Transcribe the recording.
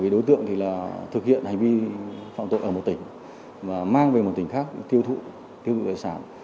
đối tượng thực hiện hành vi phạm tội ở một tỉnh và mang về một tỉnh khác tiêu thụ tiêu thụ tài sản